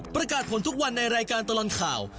ประกาศผลทุกวันในรายการตลอดข่าว